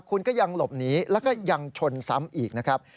คุณก็ยังหลบหนีแล้วก็ยังชนซ้ำอีกนะครับ